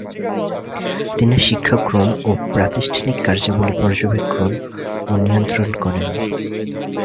তিনি শিক্ষাক্রম ও প্রাতিষ্ঠানিক কার্যাবলী পর্যবেক্ষণ ও নিয়ন্ত্রণ করেন।